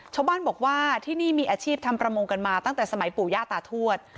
ชาวบ้านบอกว่าที่นี่มีอาชีพทำประมงกันมาตั้งแต่สมัยปู่ย่าตาทวด